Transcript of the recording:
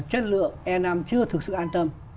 chất lượng e năm chưa thực sự an tâm